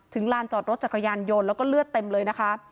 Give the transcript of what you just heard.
ลานจอดรถจักรยานยนต์แล้วก็เลือดเต็มเลยนะคะ